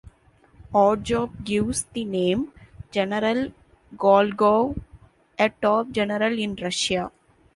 Oddjob gives the name: General Golgov, a top general in Russia.